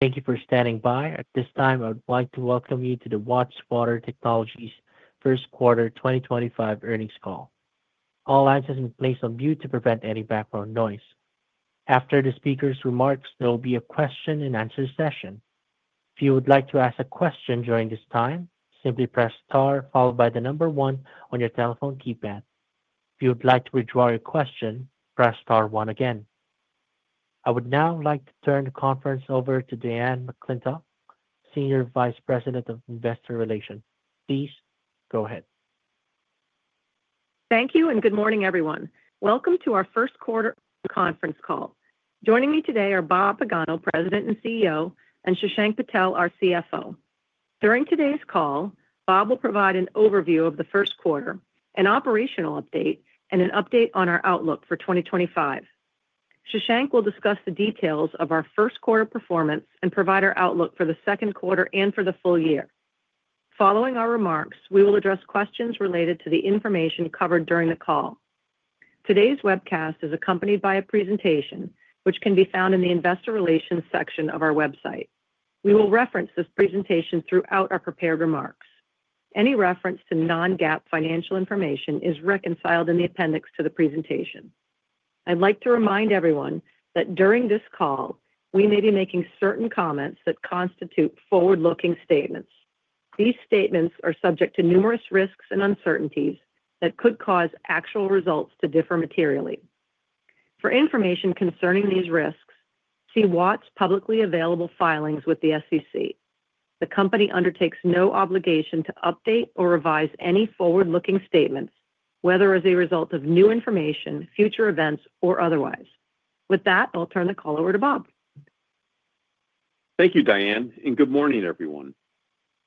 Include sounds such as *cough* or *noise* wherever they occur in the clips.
Thank you for standing by. At this time, I would like to welcome you to the Watts Water Technologies first quarter 2025 earnings call. All access has been placed on mute to prevent any background noise. After the speaker's remarks, there will be a question-and-answer session. If you would like to ask a question during this time, simply press star, followed by the number one on your telephone keypad. If you would like to withdraw your question, press star one again. I would now like to turn the conference over to Diane McClintock, Senior Vice President of Investor Relations. Please go ahead. Thank you, and good morning, everyone. Welcome to our first quarter conference call. Joining me today are Bob Pagano, President and CEO, and Shashank Patel, our CFO. During today's call, Bob will provide an overview of the first quarter, an operational update, and an update on our outlook for 2025. Shashank will discuss the details of our first quarter performance and provide our outlook for the second quarter and for the full year. Following our remarks, we will address questions related to the information covered during the call. Today's webcast is accompanied by a presentation, which can be found in the Investor Relations section of our website. We will reference this presentation throughout our prepared remarks. Any reference to non-GAAP financial information is reconciled in the appendix to the presentation. I'd like to remind everyone that during this call, we may be making certain comments that constitute forward-looking statements. These statements are subject to numerous risks and uncertainties that could cause actual results to differ materially. For information concerning these risks, see Watts publicly available filings with the SEC. The company undertakes no obligation to update or revise any forward-looking statements, whether as a result of new information, future events, or otherwise. With that, I'll turn the call over to Bob. Thank you, Diane, and good morning, everyone.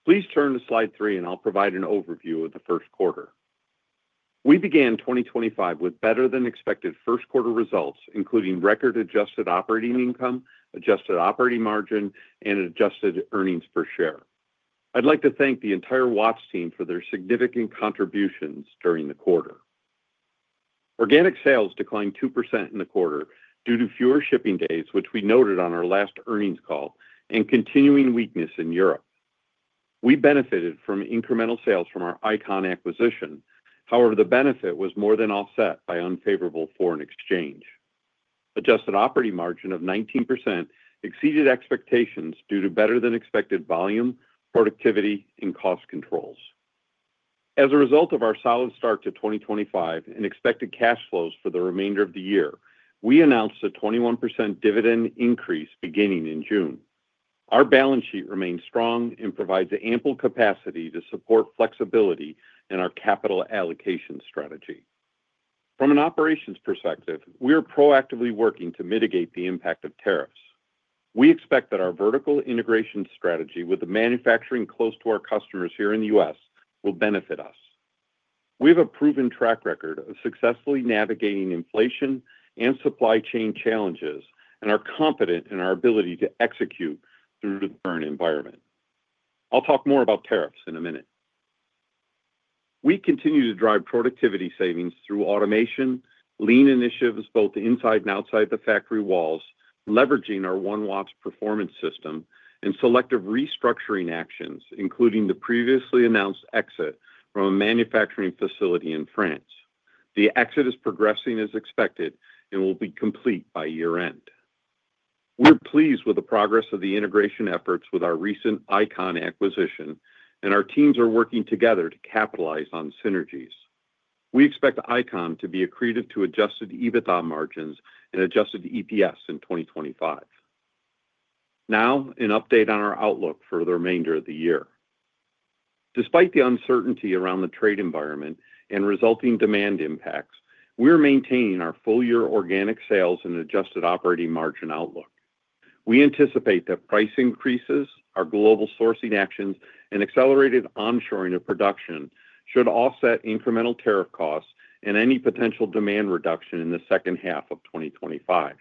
Please turn to slide 3, and I'll provide an overview of the first quarter. We began 2025 with better-than-expected first quarter results, including record adjusted operating income, adjusted operating margin, and adjusted earnings per share. I'd like to thank the entire Watts team for their significant contributions during the quarter. Organic sales declined 2% in the quarter due to fewer shipping days, which we noted on our last earnings call, and continuing weakness in Europe. We benefited from incremental sales from our I-CON acquisition; however, the benefit was more than offset by unfavorable foreign exchange. Adjusted operating margin of 19% exceeded expectations due to better-than-expected volume, productivity, and cost controls. As a result of our solid start to 2025 and expected cash flows for the remainder of the year, we announced a 21% dividend increase beginning in June. Our balance sheet remains strong and provides ample capacity to support flexibility in our capital allocation strategy. From an operations perspective, we are proactively working to mitigate the impact of tariffs. We expect that our vertical integration strategy with the manufacturing close to our customers here in the U.S. will benefit us. We have a proven track record of successfully navigating inflation and supply chain challenges and are confident in our ability to execute through the current environment. I'll talk more about tariffs in a minute. We continue to drive productivity savings through automation, lean initiatives both inside and outside the factory walls, leveraging our OneWatts performance system, and selective restructuring actions, including the previously announced exit from a manufacturing facility in France. The exit is progressing as expected and will be complete by year-end. We're pleased with the progress of the integration efforts with our recent I-CON acquisition, and our teams are working together to capitalize on synergies. We expect I-CON to be accretive to adjusted EBITDA margins and adjusted EPS in 2025. Now, an update on our outlook for the remainder of the year. Despite the uncertainty around the trade environment and resulting demand impacts, we are maintaining our full-year organic sales and adjusted operating margin outlook. We anticipate that price increases, our global sourcing actions, and accelerated onshoring of production should offset incremental tariff costs and any potential demand reduction in the second half of 2025.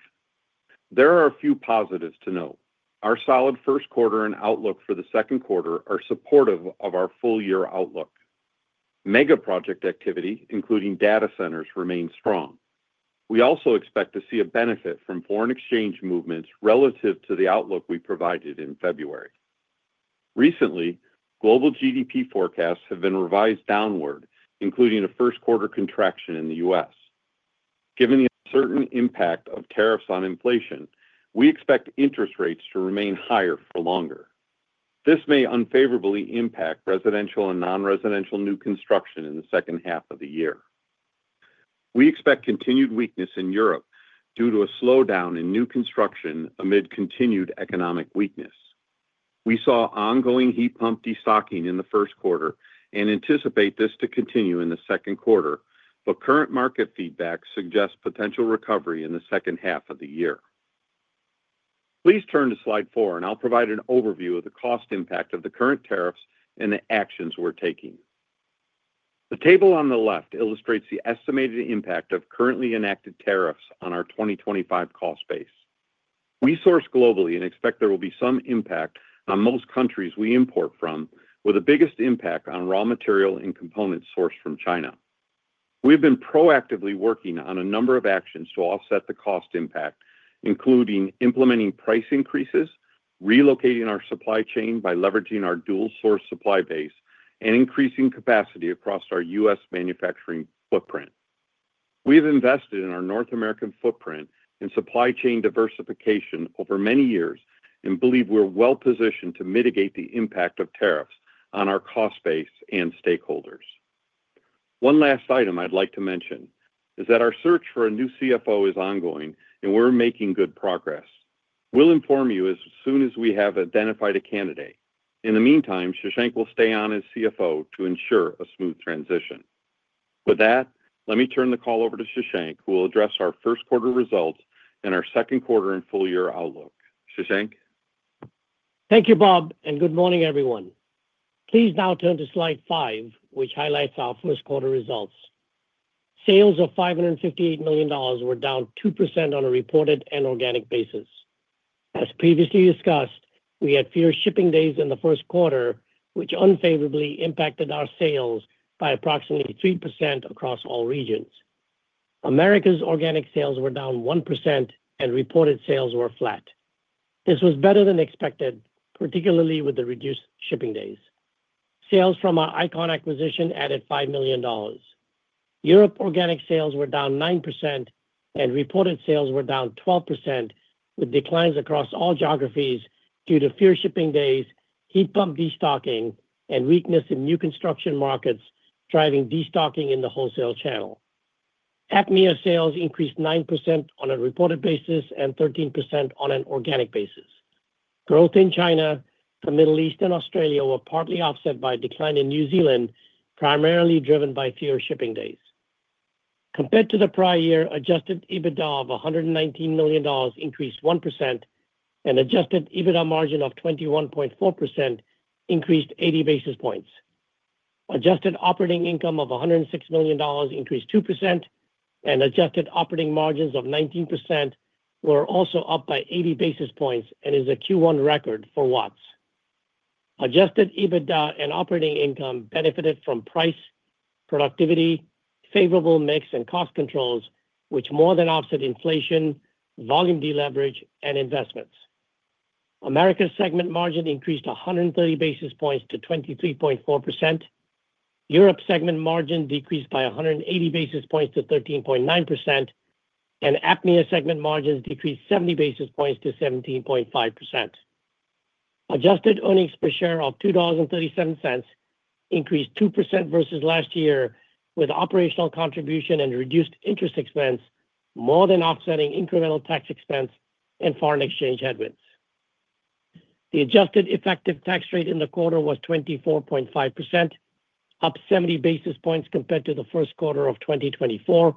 There are a few positives to note. Our solid first quarter and outlook for the second quarter are supportive of our full-year outlook. Mega Project activity, including data centers, remains strong. We also expect to see a benefit from foreign exchange movements relative to the outlook we provided in February. Recently, global GDP forecasts have been revised downward, including a first quarter contraction in the U.S. Given the uncertain impact of tariffs on inflation, we expect interest rates to remain higher for longer. This may unfavorably impact residential and non-residential new construction in the second half of the year. We expect continued weakness in Europe due to a slowdown in new construction amid continued economic weakness. We saw ongoing heat pump destocking in the first quarter and anticipate this to continue in the second quarter, but current market feedback suggests potential recovery in the second half of the year. Please turn to slide four, and I'll provide an overview of the cost impact of the current tariffs and the actions we're taking. The table on the left illustrates the estimated impact of currently enacted tariffs on our 2025 cost base. We source globally and expect there will be some impact on most countries we import from, with the biggest impact on raw material and components sourced from China. We have been proactively working on a number of actions to offset the cost impact, including implementing price increases, relocating our supply chain by leveraging our dual-source supply base, and increasing capacity across our U.S. manufacturing footprint. We have invested in our North American footprint and supply chain diversification over many years and believe we're well-positioned to mitigate the impact of tariffs on our cost base and stakeholders. One last item I'd like to mention is that our search for a new CFO is ongoing, and we're making good progress. We'll inform you as soon as we have identified a candidate. In the meantime, Shashank will stay on as CFO to ensure a smooth transition. With that, let me turn the call over to Shashank, who will address our first quarter results and our second quarter and full-year outlook. Shashank. Thank you, Bob, and good morning, everyone. Please now turn to slide 5, which highlights our first quarter results. Sales of $558 million were down 2% on a reported and organic basis. As previously discussed, we had fewer shipping days in the first quarter, which unfavorably impacted our sales by approximately 3% across all regions. Americas organic sales were down 1%, and reported sales were flat. This was better than expected, particularly with the reduced shipping days. Sales from our I-CON acquisition added $5 million. Europe's organic sales were down 9%, and reported sales were down 12%, with declines across all geographies due to fewer shipping days, heat pump destocking, and weakness in new construction markets driving destocking in the wholesale channel. APMEA sales increased 9% on a reported basis and 13% on an organic basis. Growth in China, the Middle East, and Australia were partly offset by a decline in New Zealand, primarily driven by fewer shipping days. Compared to the prior year, adjusted EBITDA of $119 million increased 1%, and adjusted EBITDA margin of 21.4% increased 80 basis points. Adjusted operating income of $106 million increased 2%, and adjusted operating margins of 19% were also up by 80 basis points and is a Q1 record for Watts. Adjusted EBITDA and operating income benefited from price, productivity, favorable mix, and cost controls, which more than offset inflation, volume deleverage, and investments. America's segment margin increased 130 basis points to 23.4%. Europe's segment margin decreased by 180 basis points to 13.9%, and APMEA's segment margins decreased 70 basis points to 17.5%. Adjusted earnings per share of $2.37 increased 2% versus last year, with operational contribution and reduced interest expense more than offsetting incremental tax expense and foreign exchange headwinds. The adjusted effective tax rate in the quarter was 24.5%, up 70 basis points compared to the first quarter of 2024,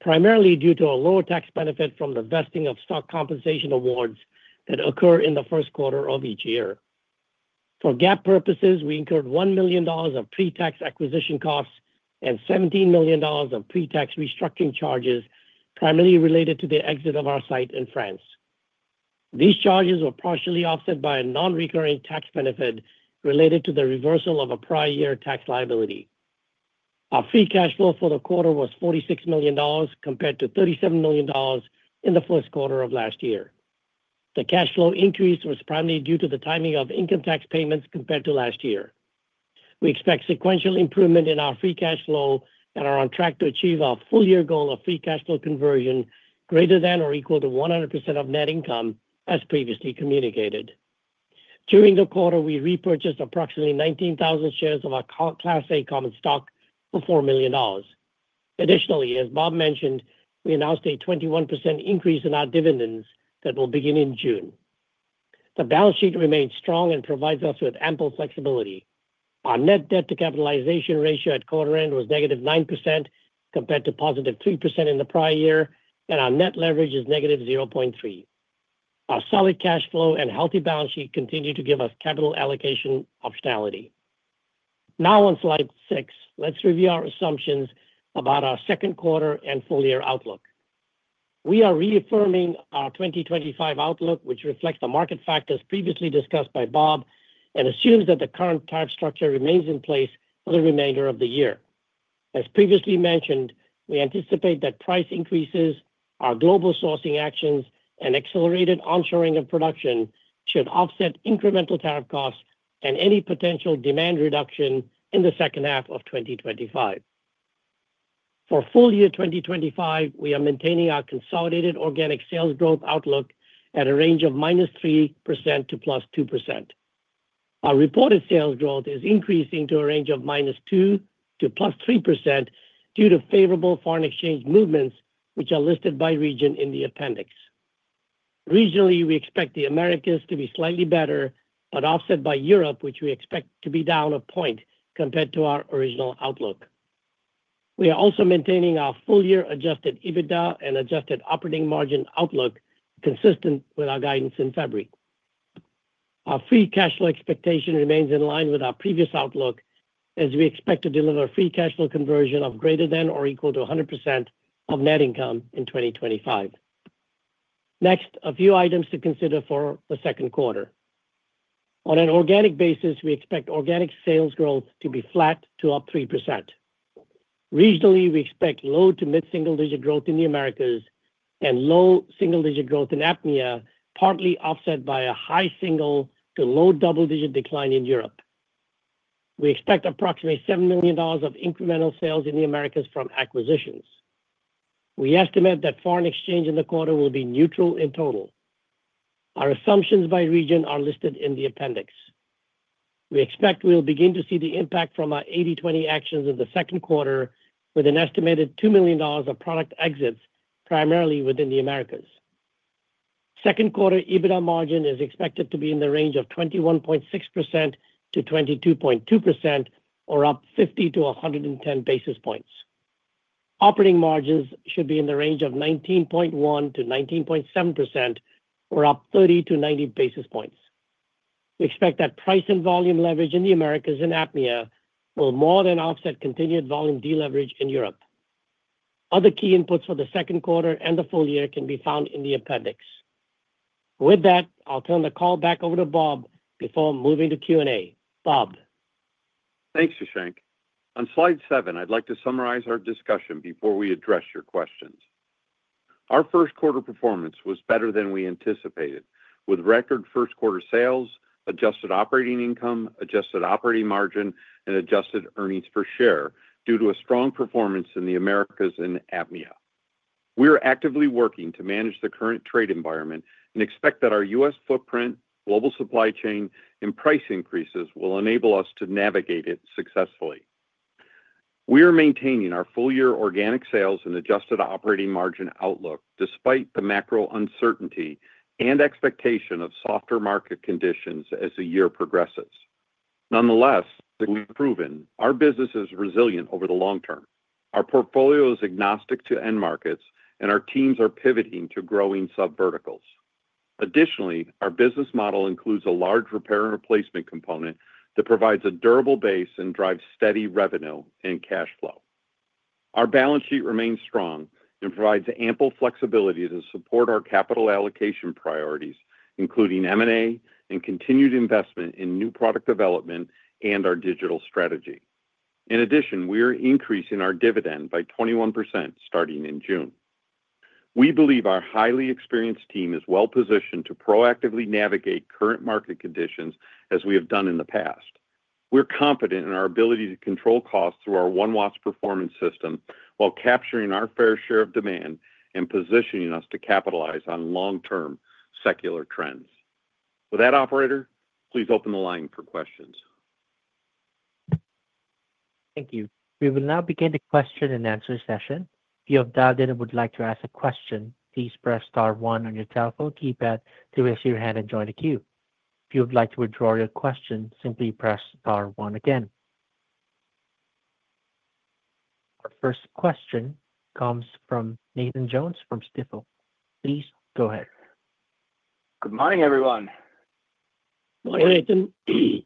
primarily due to a lower tax benefit from the vesting of stock compensation awards that occur in the first quarter of each year. For GAAP purposes, we incurred $1 million of pre-tax acquisition costs and $17 million of pre-tax restructuring charges, primarily related to the exit of our site in France. These charges were partially offset by a non-recurring tax benefit related to the reversal of a prior year tax liability. Our free cash flow for the quarter was $46 million compared to $37 million in the first quarter of last year. The cash flow increase was primarily due to the timing of income tax payments compared to last year. We expect sequential improvement in our free cash flow and are on track to achieve our full-year goal of free cash flow conversion greater than or equal to 100% of net income, as previously communicated. During the quarter, we repurchased approximately 19,000 shares of our Class A common stock for $4 million. Additionally, as Bob mentioned, we announced a 21% increase in our dividends that will begin in June. The balance sheet remains strong and provides us with ample flexibility. Our net debt-to-capitalization ratio at quarter-end was -9% compared to +3% in the prior year, and our net leverage is -0.3. Our solid cash flow and healthy balance sheet continue to give us capital allocation optionality. Now, on slide 6, let's review our assumptions about our second quarter and full-year outlook. We are reaffirming our 2025 outlook, which reflects the market factors previously discussed by Bob and assumes that the current tariff structure remains in place for the remainder of the year. As previously mentioned, we anticipate that price increases, our global sourcing actions, and accelerated onshoring of production should offset incremental tariff costs and any potential demand reduction in the second half of 2025. For full-year 2025, we are maintaining our consolidated organic sales growth outlook at a range of -3% to +2%. Our reported sales growth is increasing to a range of -2% to +3% due to favorable foreign exchange movements, which are listed by region in the appendix. Regionally, we expect the Americas to be slightly better, but offset by Europe, which we expect to be down a point compared to our original outlook. We are also maintaining our full-year adjusted EBITDA and adjusted operating margin outlook consistent with our guidance in February. Our free cash flow expectation remains in line with our previous outlook, as we expect to deliver free cash flow conversion of greater than or equal to 100% of net income in 2025. Next, a few items to consider for the second quarter. On an organic basis, we expect organic sales growth to be flat to up 3%. Regionally, we expect low to mid-single-digit growth in the Americas and low single-digit growth in APMEA, partly offset by a high single to low double-digit decline in Europe. We expect approximately $7 million of incremental sales in the Americas from acquisitions. We estimate that foreign exchange in the quarter will be neutral in total. Our assumptions by region are listed in the appendix. We expect we'll begin to see the impact from our 80/20 actions in the second quarter, with an estimated $2 million of product exits primarily within the Americas. Second quarter EBITDA margin is expected to be in the range of 21.6%-22.2%, or up 50-110 basis points. Operating margins should be in the range of 19.1%-19.7%, or up 30-90 basis points. We expect that price and volume leverage in the Americas and APMEA will more than offset continued volume deleverage in Europe. Other key inputs for the second quarter and the full year can be found in the appendix. With that, I'll turn the call back over to Bob before moving to Q&A. Bob. Thanks, Shashank. On slide seven, I'd like to summarize our discussion before we address your questions. Our first quarter performance was better than we anticipated, with record first quarter sales, adjusted operating income, adjusted operating margin, and adjusted earnings per share due to a strong performance in the Americas and APMEA. We are actively working to manage the current trade environment and expect that our U.S. footprint, global supply chain, and price increases will enable us to navigate it successfully. We are maintaining our full-year organic sales and adjusted operating margin outlook despite the macro uncertainty and expectation of softer market conditions as the year progresses. Nonetheless, we've proven our business is resilient over the long term. Our portfolio is agnostic to end markets, and our teams are pivoting to growing sub-verticals. Additionally, our business model includes a large repair and replacement component that provides a durable base and drives steady revenue and cash flow. Our balance sheet remains strong and provides ample flexibility to support our capital allocation priorities, including M&A and continued investment in new product development and our digital strategy. In addition, we are increasing our dividend by 21% starting in June. We believe our highly experienced team is well-positioned to proactively navigate current market conditions as we have done in the past. We're confident in our ability to control costs through our OneWatts performance system while capturing our fair share of demand and positioning us to capitalize on long-term secular trends. With that, operator, please open the line for questions. Thank you. We will now begin the question and answer session. If you have dialed in and would like to ask a question, please press star one on your telephone keypad to raise your hand and join the queue. If you would like to withdraw your question, simply press star one again. Our first question comes from Nathan Jones from Stifel. Please go ahead. Good morning, everyone. Morning, Nathan. I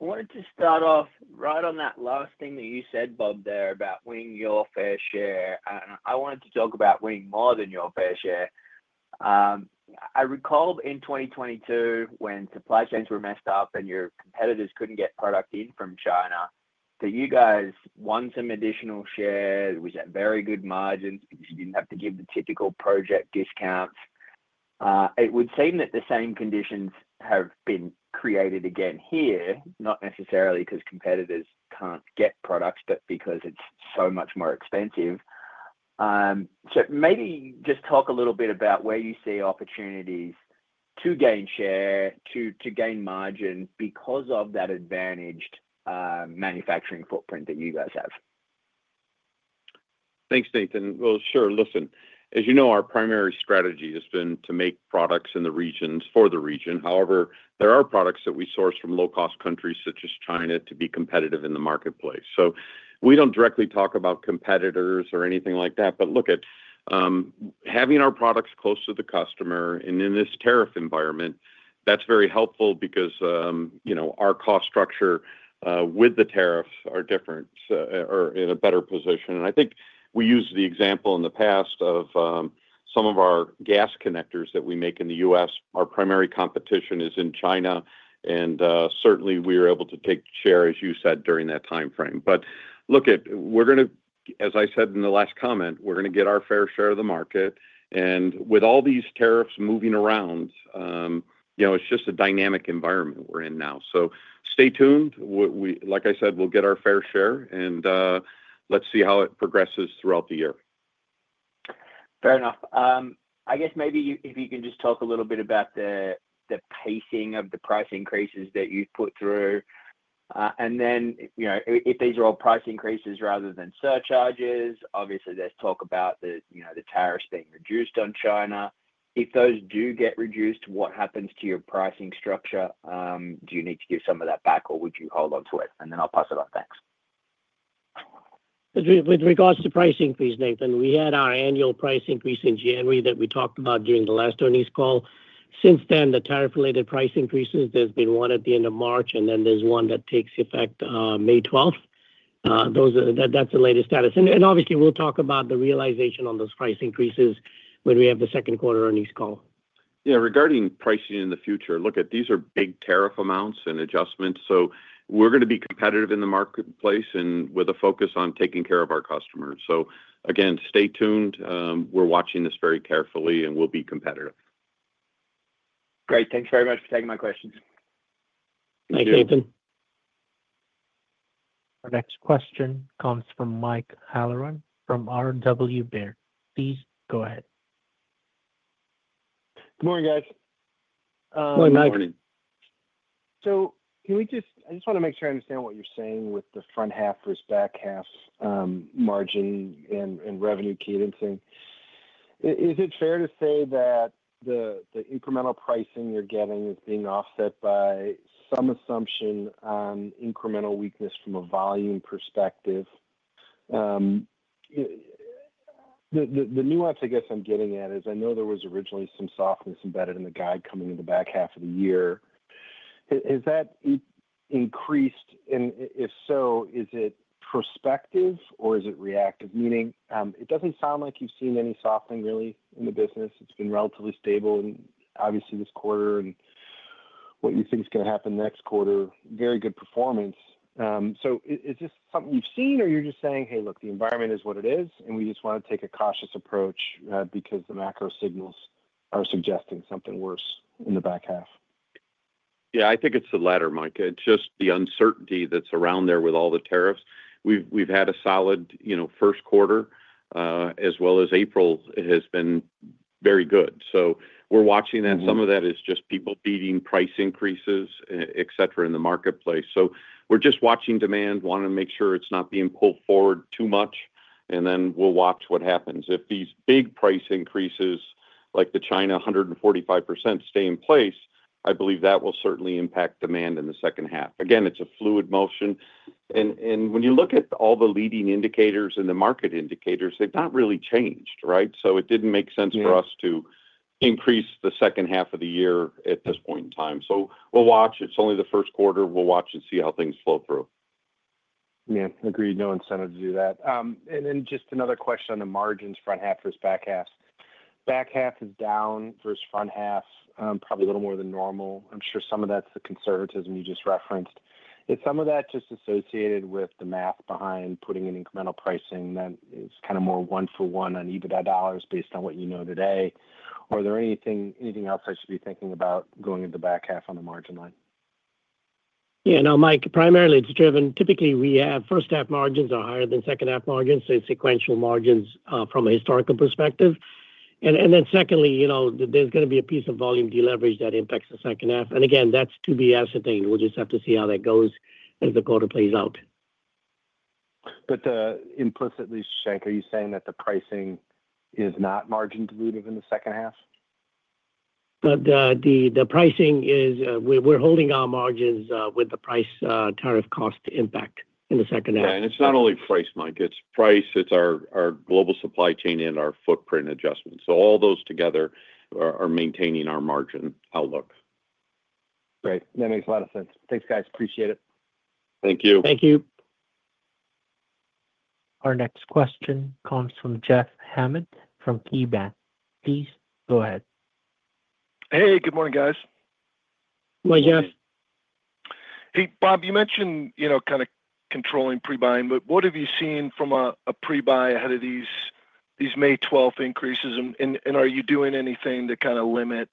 wanted to start off right on that last thing that you said, Bob, there about winning your fair share. I wanted to talk about winning more than your fair share. I recall in 2022 when supply chains were messed up and your competitors could not get product in from China, that you guys won some additional shares. It was at very good margins because you did not have to give the typical project discounts. It would seem that the same conditions have been created again here, not necessarily because competitors cannot get products, but because it is so much more expensive. Maybe just talk a little bit about where you see opportunities to gain share, to gain margin because of that advantaged manufacturing footprint that you guys have. Thanks, Nathan. Sure. Listen, as you know, our primary strategy has been to make products in the regions for the region. However, there are products that we source from low-cost countries such as China to be competitive in the marketplace. We do not directly talk about competitors or anything like that, but look at having our products close to the customer. In this tariff environment, that is very helpful because our cost structure with the tariffs is different or in a better position. I think we used the example in the past of some of our gas connectors that we make in the U.S. Our primary competition is in China, and certainly we are able to take share, as you said, during that timeframe. Look at, we are going to, as I said in the last comment, we are going to get our fair share of the market. With all these tariffs moving around, it's just a dynamic environment we're in now. Stay tuned. Like I said, we'll get our fair share, and let's see how it progresses throughout the year. Fair enough. I guess maybe if you can just talk a little bit about the pacing of the price increases that you've put through. And then if these are all price increases rather than surcharges, obviously there's talk about the tariffs being reduced on China. If those do get reduced, what happens to your pricing structure? Do you need to give some of that back, or would you hold on to it? And then I'll pass it on. Thanks. With regards to price increase, Nathan, we had our annual price increase in January that we talked about during the last earnings call. Since then, the tariff-related price increases, there's been one at the end of March, and then there's one that takes effect May 12. That's the latest status. Obviously, we'll talk about the realization on those price increases when we have the second quarter earnings call. Yeah. Regarding pricing in the future, look, these are big tariff amounts and adjustments. We are going to be competitive in the marketplace and with a focus on taking care of our customers. Again, stay tuned. We are watching this very carefully, and we will be competitive. Great. Thanks very much for taking my questions. Thank you. Thanks, Nathan. Our next question comes from Mike Halloran from RW Baird. Please go ahead. Good morning, guys. Good morning, Mike. Good morning. Can we just, I just want to make sure I understand what you're saying with the front half versus back half margin and revenue cadencing. Is it fair to say that the incremental pricing you're getting is being offset by some assumption on incremental weakness from a volume perspective? The nuance I guess I'm getting at is I know there was originally some softness embedded in the guide coming in the back half of the year. Has that increased? And if so, is it prospective or is it reactive? Meaning it does not sound like you've seen any softening really in the business. It has been relatively stable and obviously this quarter and what you think is going to happen next quarter, very good performance. Is this something you've seen or you're just saying, "Hey, look, the environment is what it is, and we just want to take a cautious approach because the macro signals are suggesting something worse in the back half"? Yeah, I think it's the latter, Mike. It's just the uncertainty that's around there with all the tariffs. We've had a solid first quarter as well as April has been very good. We're watching that. Some of that is just people beating price increases, etc., in the marketplace. We're just watching demand, wanting to make sure it's not being pulled forward too much, and then we'll watch what happens. If these big price increases like the China 145% stay in place, I believe that will certainly impact demand in the second half. Again, it's a fluid motion. When you look at all the leading indicators and the market indicators, they've not really changed, right? It didn't make sense for us to increase the second half of the year at this point in time. We'll watch. It's only the first quarter. We'll watch and see how things flow through. Yeah. Agreed. No incentive to do that. Just another question on the margins front half versus back half. Back half is down versus front half, probably a little more than normal. I'm sure some of that's the conservatism you just referenced. Is some of that just associated with the math behind putting in incremental pricing that is kind of more one-for-one on EBITDA dollars based on what you know today? Or is there anything else I should be thinking about going into the back half on the margin line? Yeah. No, Mike, primarily it's driven, typically we have first half margins are higher than second half margins, so sequential margins from a historical perspective. Secondly, there's going to be a piece of volume deleverage that impacts the second half. Again, that's to be ascertained. We'll just have to see how that goes as the quarter plays out. Implicitly, Shashank, are you saying that the pricing is not margin-dilutive in the second half? The pricing is we're holding our margins with the price tariff cost impact in the second half. Yeah. It's not only price, Mike. It's price, it's our global supply chain, and our footprint adjustments. All those together are maintaining our margin outlook. Great. That makes a lot of sense. Thanks, guys. Appreciate it. Thank you. Thank you. Our next question comes from Jeff Hammond from KeyBanc. Please go ahead. Hey, good morning, guys. Morning, Jeff. Hey, Bob, you mentioned kind of controlling pre-buying, but what have you seen from a pre-buy ahead of these May 12th increases? Are you doing anything to kind of limit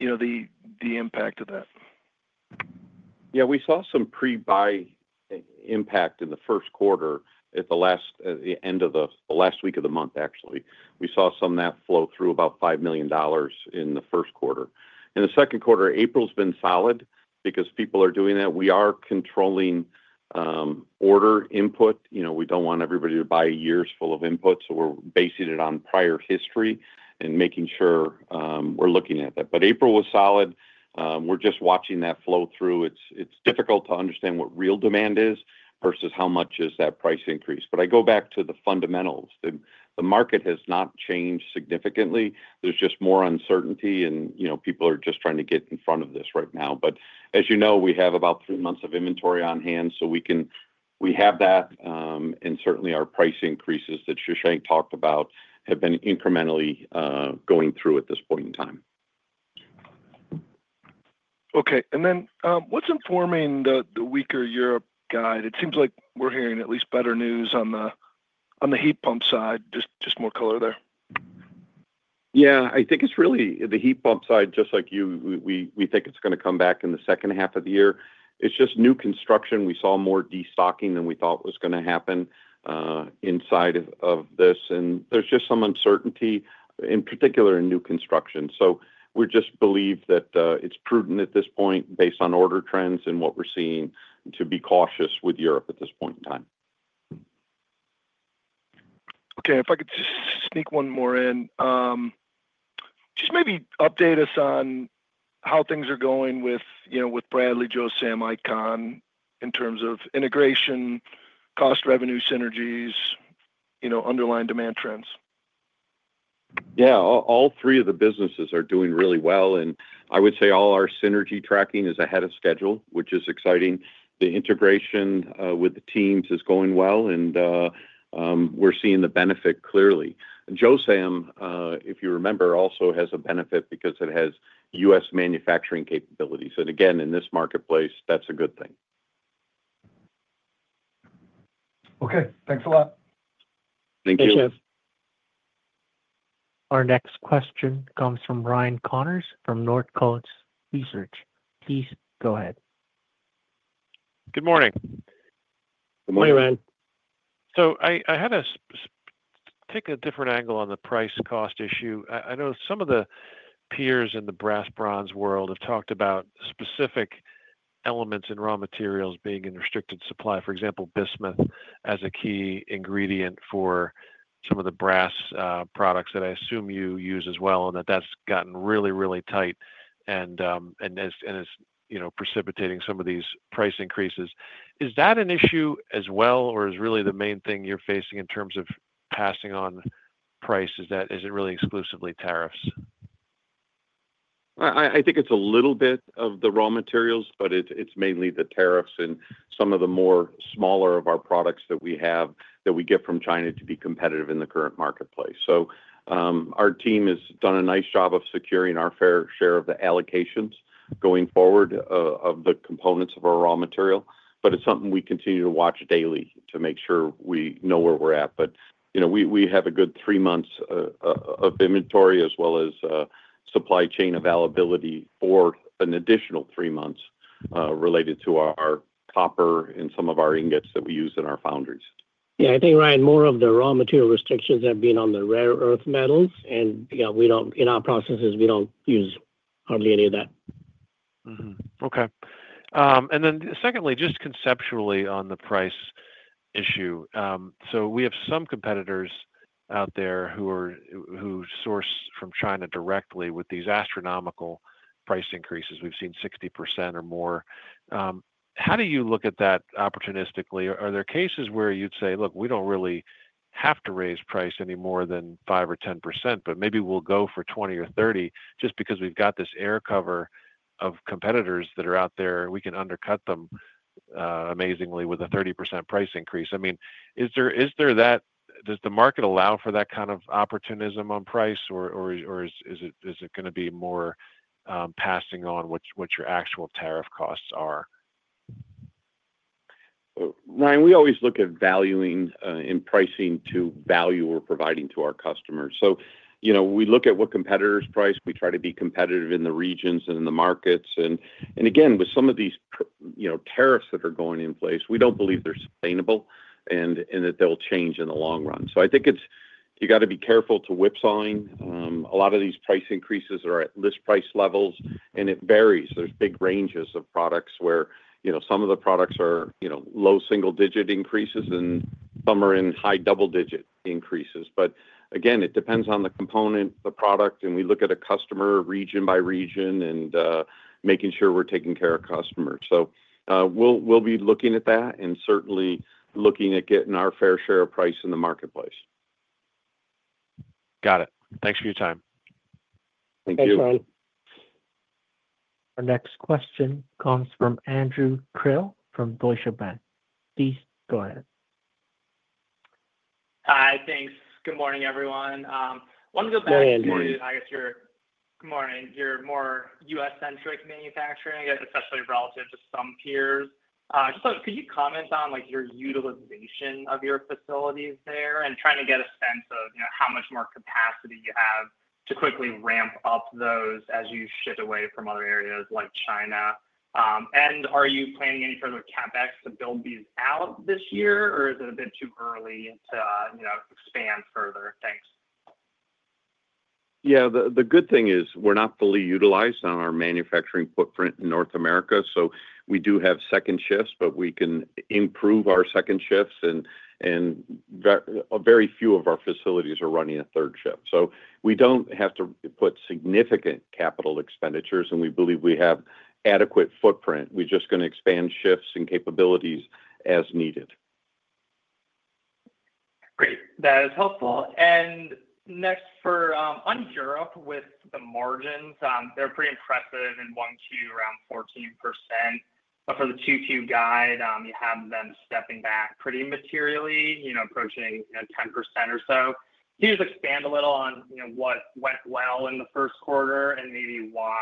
the impact of that? Yeah. We saw some pre-buy impact in the first quarter at the end of the last week of the month, actually. We saw some of that flow through, about $5 million in the first quarter. In the second quarter, April has been solid because people are doing that. We are controlling order input. We do not want everybody to buy years full of input, so we are basing it on prior history and making sure we are looking at that. April was solid. We are just watching that flow through. It is difficult to understand what real demand is versus how much is that price increase. I go back to the fundamentals. The market has not changed significantly. There is just more uncertainty, and people are just trying to get in front of this right now. As you know, we have about three months of inventory on hand, so we have that. Certainly, our price increases that Shashank talked about have been incrementally going through at this point in time. Okay. And then what is informing the weaker Europe guide? It seems like we are hearing at least better news on the heat pump side. Just more color there. Yeah. I think it's really the heat pump side, just like we think it's going to come back in the second half of the year. It's just new construction. We saw more destocking than we thought was going to happen inside of this. And there's just some uncertainty, in particular in new construction. So we just believe that it's prudent at this point, based on order trends and what we're seeing, to be cautious with Europe at this point in time. Okay. If I could just sneak one more in, just maybe update us on how things are going with Bradley, Josam, I-CON, in terms of integration, cost-revenue synergies, underlying demand trends. Yeah. All three of the businesses are doing really well. I would say all our synergy tracking is ahead of schedule, which is exciting. The integration with the teams is going well, and we're seeing the benefit clearly. Josam, if you remember, also has a benefit because it has U.S. manufacturing capabilities. Again, in this marketplace, that's a good thing. Okay. Thanks a lot. Thank you. Thanks, Jeff. Thanks, Jeff. Our next question comes from Ryan Connors from Northcoast Research. Please go ahead. Good morning. Good morning, Ryan. I had to take a different angle on the price-cost issue. I know some of the peers in the brass-bronze world have talked about specific elements in raw materials being in restricted supply, for example, bismuth as a key ingredient for some of the brass products that I assume you use as well, and that has gotten really, really tight and is precipitating some of these price increases. Is that an issue as well, or is the main thing you're facing in terms of passing on price really exclusively tariffs? I think it's a little bit of the raw materials, but it's mainly the tariffs and some of the more smaller of our products that we have that we get from China to be competitive in the current marketplace. Our team has done a nice job of securing our fair share of the allocations going forward of the components of our raw material. It's something we continue to watch daily to make sure we know where we're at. We have a good three months of inventory as well as supply chain availability for an additional three months related to our copper and some of our ingots that we use in our foundries. Yeah. I think, Ryan, more of the raw material restrictions have been on the rare earth metals. Yeah, in our processes, we do not use hardly any of that. Okay. And then secondly, just conceptually on the price issue. We have some competitors out there who source from China directly with these astronomical price increases. We've seen 60% or more. How do you look at that opportunistically? Are there cases where you'd say, "Look, we don't really have to raise price any more than 5% or 10%, but maybe we'll go for 20% or 30% just because we've got this air cover of competitors that are out there, and we can undercut them amazingly with a 30% price increase"? I mean, does the market allow for that kind of opportunism on price, or is it going to be more passing on what your actual tariff costs are? Ryan, we always look at valuing and pricing to value we're providing to our customers. We look at what competitors price. We try to be competitive in the regions and in the markets. Again, with some of these tariffs that are going in place, we do not believe they are sustainable and that they will change in the long run. I think you have to be careful to whipsawing. A lot of these price increases are at list price levels, and it varies. There are big ranges of products where some of the products are low single-digit increases and some are in high double-digit increases. Again, it depends on the component, the product, and we look at a customer region by region and making sure we are taking care of customers. We will be looking at that and certainly looking at getting our fair share of price in the marketplace. Got it. Thanks for your time. Thank you. Thanks, Ryan. Our next question comes from Andrew Krill from Deutsche Bank. Please go ahead. Hi. Thanks. Good morning, everyone. I want to go back to. Good morning, Andrew. I guess your good morning. You're more U.S.-centric manufacturing, especially relative to some peers. Just could you comment on your utilization of your facilities there and trying to get a sense of how much more capacity you have to quickly ramp up those as you shift away from other areas like China? Are you planning any further CapEx to build these out this year, or is it a bit too early to expand further? Thanks. Yeah. The good thing is we're not fully utilized on our manufacturing footprint in North America. We do have second shifts, but we can improve our second shifts. Very few of our facilities are running a third shift. We do not have to put significant capital expenditures, and we believe we have adequate footprint. We're just going to expand shifts and capabilities as needed. Great. That is helpful. Next, for Europe with the margins, they're pretty impressive in 1Q around 14%. For the 2Q guide, you have them stepping back pretty materially, approaching 10% or so. Can you just expand a little on what went well in the first quarter and maybe why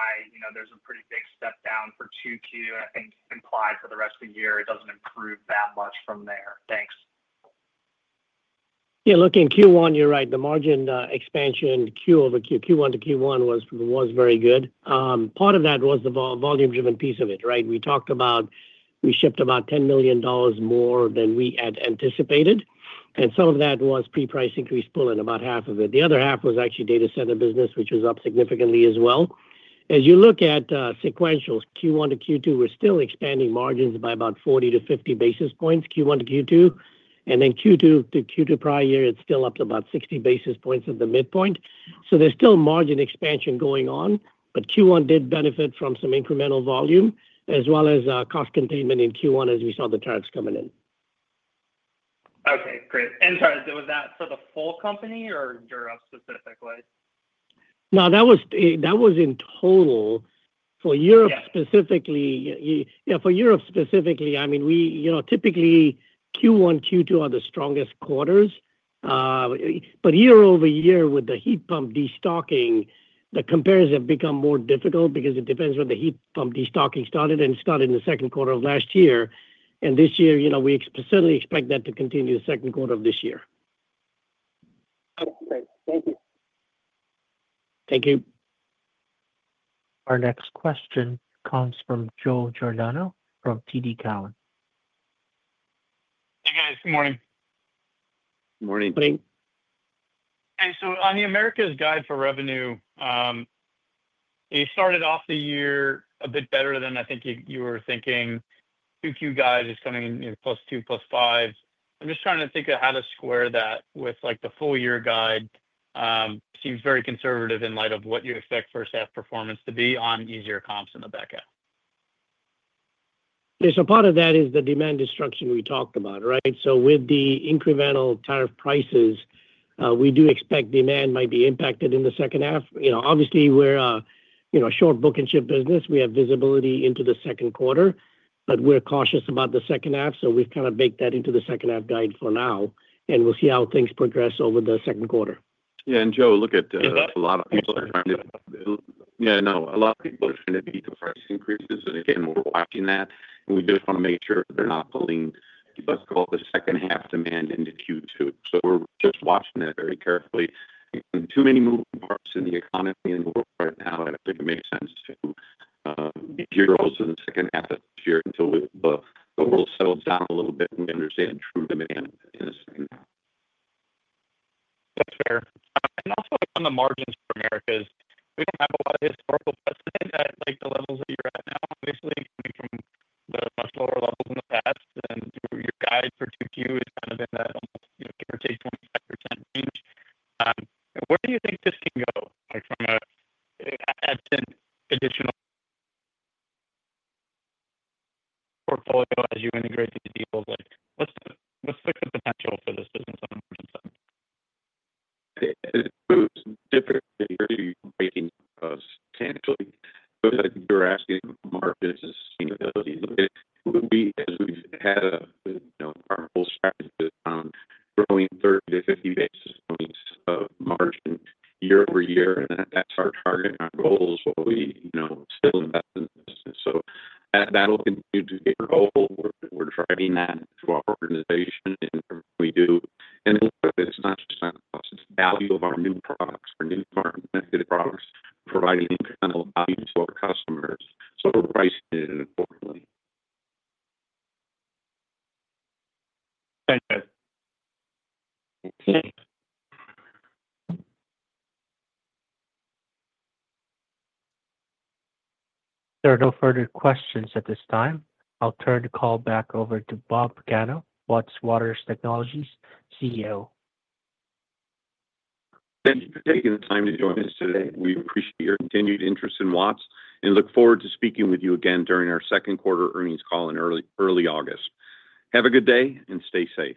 there's a pretty big step down for 2Q? I think implied for the rest of the year, it does not improve that much from there. Thanks. Yeah. Look in Q1, you're right. The margin expansion, Q-over-Q, Q1 to Q1 was very good. Part of that was the volume-driven piece of it, right? We talked about we shipped about $10 million more than we had anticipated. And some of that was pre-price increase pulling about half of it. The other half was actually data center business, which was up significantly as well. As you look at sequentials, Q1 to Q2, we're still expanding margins by about 40-50 basis points, Q1 to Q2. And then Q2 to Q2 prior year, it's still up to about 60 basis points at the midpoint. So there's still margin expansion going on, but Q1 did benefit from some incremental volume as well as cost containment in Q1 as we saw the tariffs coming in. Okay. Great. Sorry, was that for the full company or Europe specifically? No, that was in total for Europe specifically. Yeah. For Europe specifically, I mean, typically Q1, Q2 are the strongest quarters. Year over year, with the heat pump destocking, the comparison has become more difficult because it depends when the heat pump destocking started. It started in the second quarter of last year. This year, we certainly expect that to continue the second quarter of this year. *audio distortion* Thank you. Our next question comes from Joe Giordano from TD Cowen. Hey, guys. Good morning. Good morning. Good morning. Hey. On the Americas guide for revenue, you started off the year a bit better than I think you were thinking. 2Q guide is coming in +2%, +5%. I'm just trying to think of how to square that with the full year guide. Seems very conservative in light of what you expect first half performance to be on easier comps in the back half. Yeah. Part of that is the demand destruction we talked about, right? With the incremental tariff prices, we do expect demand might be impacted in the second half. Obviously, we're a short book and chip business. We have visibility into the second quarter, but we're cautious about the second half. We've kind of baked that into the second half guide for now, and we'll see how things progress over the second quarter. Yeah. Joe, look, a lot of people are trying to—yeah, no, a lot of people are trying to beat the price increases, and again, we're watching that. We just want to make sure they're not pulling what's called the second half demand into Q2. We're just watching that very carefully. Too many moving parts in the economy and the world right now. I don't think it makes sense to beat zeros in the second half of this year until the world settles down a little bit and we understand true demand in the second half. That's fair. Also, on the margins for Americas, we do not have a lot of historical testing at the levels that you are at now, basically coming from the much lower levels in the past. Your guide for 2Q is kind of in that give or take 25% range. Where do you think this can go from an added additional portfolio as you integrate these deals? What is the potential for this business on the margin side? It's different than you're making potentially. You're asking markets' sustainability. Look at who we—because we've had our whole strategy around growing 30-50 basis points of margin year-over-year. That's our target. Our goal is what we still invest in the business. That'll continue to be our goal. We're driving that through our organization and we do. It's not just on cost, it's value of our new products, our new market-connected products, providing incremental value to our customers. Pricing is important. Thank you. Thank you. There are no further questions at this time. I'll turn the call back over to Bob Pagano, Watts Water Technologies CEO. Thank you for taking the time to join us today. We appreciate your continued interest in Watts and look forward to speaking with you again during our second quarter earnings call in early August. Have a good day and stay safe.